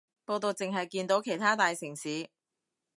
報導淨係見到其他大城市